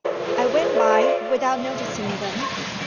I went by, without noticing them.